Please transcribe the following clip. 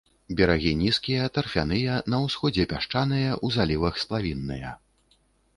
Берагі нізкія, тарфяныя, на ўсходзе пясчаныя, у залівах сплавінныя.